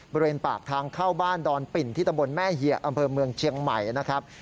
บริเวณปากทางเข้าบ้านดอนปิ่นที่ตำบลแม่เหยะอำเภอเมืองเชียงใหม่นะครับ